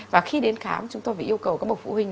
và khi đến khám chúng tôi phải yêu cầu các bậc phụ huynh